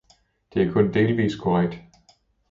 Det er kun delvis korrekt.